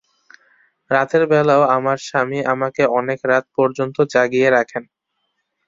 রাতের বেলায়ও আমার স্বামী আমাকে অনেক রাত পর্যন্ত জাগিয়ে রাখেন।